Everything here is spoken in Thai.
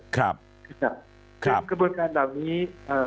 ครับครับครับกระบวนการเหล่านี้อ่า